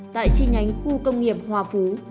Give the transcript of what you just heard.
tại chi nhánh khu công nghiệp hòa phú